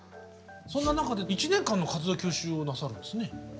そんな中で１年間の活動休止をなさるんですね。